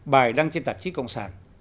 bài đăng trên tạp chí công sản